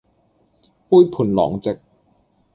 杯盤狼藉